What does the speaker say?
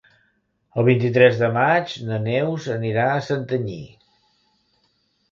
El vint-i-tres de maig na Neus anirà a Santanyí.